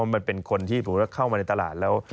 มันเป็นคนที่ผมว่าเข้ามาในตลาดแล้ว